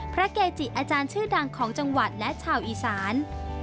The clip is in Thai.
เกจิอาจารย์ชื่อดังของจังหวัดและชาวอีสาน